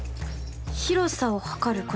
広さを測ることですか？